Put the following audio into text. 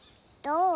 どう？